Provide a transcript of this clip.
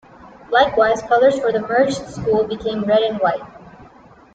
Likewise, colors for the merged school became red and white.